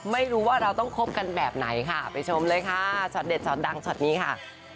ไม่รู้ว่าเราต้องคบกันแบบไหนค่ะไปชมเลยค่ะช็อตเด็ดชอตดังช็อตนี้ค่ะ